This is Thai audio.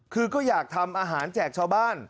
คือก็อยากทำอาหารแจกชาวบ้าน